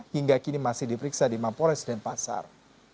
hingga kini masih diperiksa di mampores dan pasar